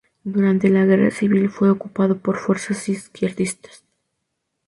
Durante la guerra civil fue ocupado por fuerzas izquierdistas.